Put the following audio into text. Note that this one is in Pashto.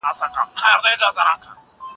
که وخت وي، کتابونه وړم.